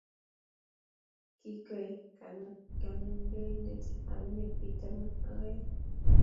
Kikwei kantointet ab emet biik taman ak oeng.